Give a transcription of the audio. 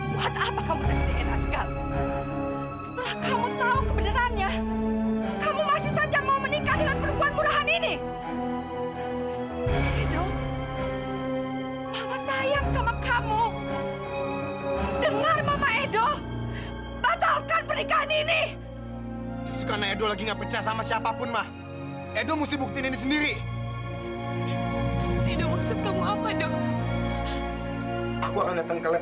buat apa kamu tersedih enak sekali setelah kamu tahu kebenarannya kamu masih saja mau menikah dengan perempuan murahan ini